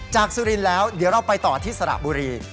สุรินทร์แล้วเดี๋ยวเราไปต่อที่สระบุรี